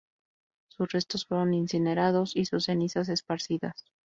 Sus restos fueron incinerados, y sus cenizas esparcidas.